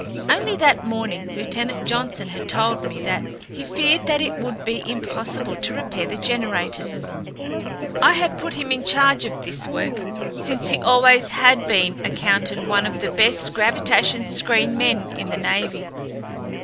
Only that morning, Lieutenant Johnson had told me that he feared that it would be impossible to repair the generators. I had put him in charge of this work, since he always had been accounted one of the best gravitation screen men in the navy.